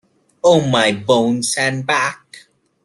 Oh, my bones and back!